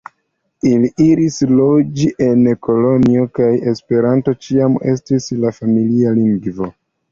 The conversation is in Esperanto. Ili iris loĝi en Kolonjo kaj Esperanto ĉiam estis la familia lingvo.